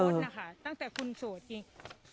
ตั้งแต่คุณส่วนจริง